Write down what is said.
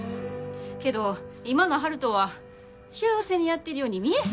けど今の悠人は幸せにやってるように見えへん。